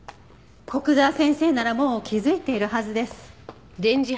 古久沢先生ならもう気づいているはずです。